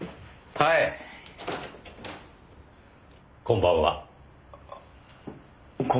あっこんばんは。